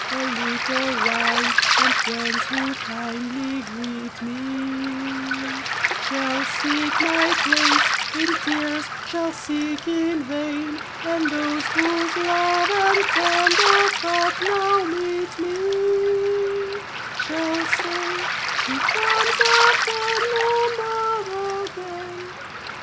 A little while, and friends who kindly greet me Shall seek my place in tears shall seek in vain; And those whose love and tender thought now meet me, Shall say "She comes, our friend, no more again!"